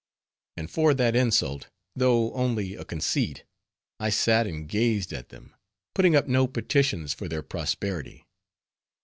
And for that insult, though only a conceit, I sat and gazed at them, putting up no petitions for their prosperity.